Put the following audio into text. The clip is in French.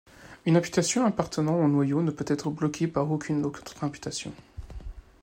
Une imputation appartenant au noyau ne peut être bloquée par aucune autre imputation.